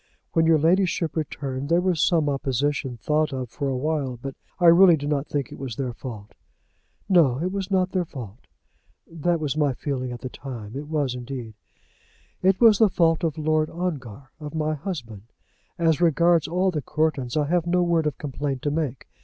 When your ladyship returned there was some opposition thought of for a while, but I really do not think it was their fault." "No; it was not their fault." "That was my feeling at the time; it was indeed." "It was the fault of Lord Ongar, of my husband. As regards all the Courtons I have no word of complaint to make.